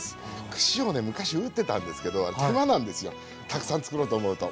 串をね昔打ってたんですけどあれ手間なんですよたくさんつくろうと思うと。